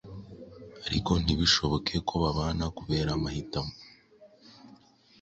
ariko ntibishoboke ko babana kubera amahitamo